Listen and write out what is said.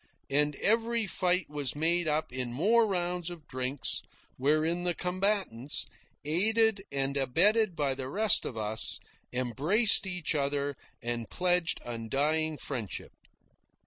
And every fight was made up in more rounds of drinks, wherein the combatants, aided and abetted by the rest of us, embraced each other and pledged undying friendship.